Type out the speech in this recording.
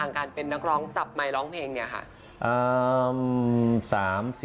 การเป็นนักร้องจับไมค์ร้องเพลงเนี่ยค่ะ